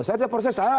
saya tidak percaya